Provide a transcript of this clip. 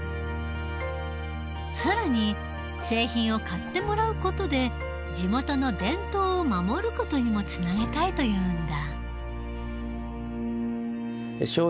更に製品を買ってもらう事で地元の伝統を守る事にもつなげたいというんだ。